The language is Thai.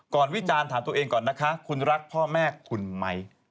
วิจารณ์ถามตัวเองก่อนนะคะคุณรักพ่อแม่คุณไหม